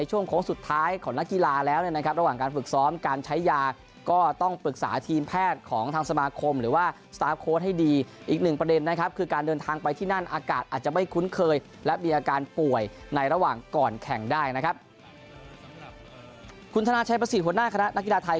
ป่วยในระหว่างก่อนแข่งได้นะครับคุณธนาชัยประสิทธิ์หัวหน้าคณะนักกีฬาไทย